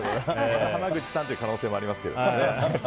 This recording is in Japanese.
また濱口さんという可能性もありますけど。